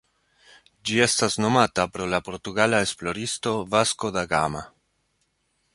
Ĝi estas nomata pro la portugala esploristo Vasco da Gama.